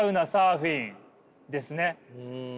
うん。